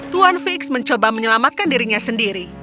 tuan fix mencoba menyelamatkan dirinya sendiri